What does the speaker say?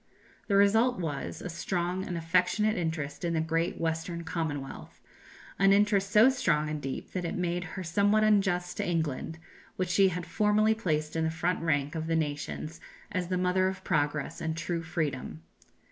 The result was, a strong and affectionate interest in the great Western Commonwealth an interest so strong and deep that it made her somewhat unjust to England, which she had formerly placed in the front rank of the nations as the mother of progress and true freedom.